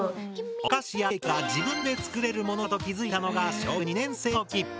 お菓子やケーキが自分で作れるものだと気付いたのが小学２年生の時。